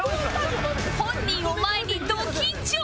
本人を前にド緊張！